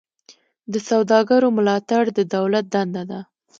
د سوداګرو ملاتړ د دولت دنده ده